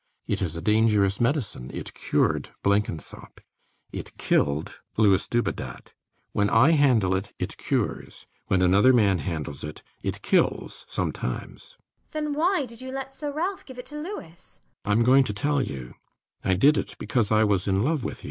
It is a dangerous medicine: it cured Blenkinsop: it killed Louis Dubedat. When I handle it, it cures. When another man handles it, it kills sometimes. JENNIFER [naively: not yet taking it all in] Then why did you let Sir Ralph give it to Louis? RIDGEON. I'm going to tell you. I did it because I was in love with you.